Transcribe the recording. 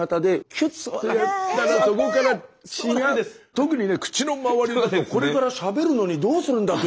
特にね口の周りだとこれからしゃべるのにどうするんだという。